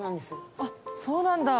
あっそうなんだ。